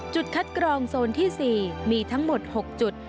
จุดคัดกรองโซนที่๔มีทั้งหมด๖จุด